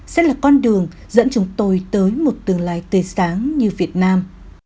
sẽ là con đường dẫn chúng tôi tới một tương lai tươi sáng như việt nam